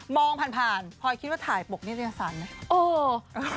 มองผ่านพลอยคิดว่าถ่ายปกเนี้ยเรียสรรไหม